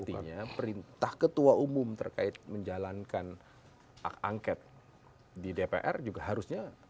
artinya perintah ketua umum terkait menjalankan hak angket di dpr juga harusnya